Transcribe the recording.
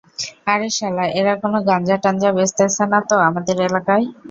আরে শালা, এরা কোনো গাঞ্জা টাঞ্জা বেচতেছে না তো আমাদের এলাকায়?